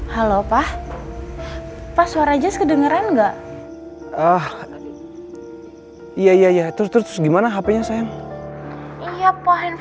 halo pak paswara jas kedengeran enggak ah iya iya ya terus gimana hpnya sayang iya pohon